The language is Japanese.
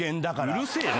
うるせえな。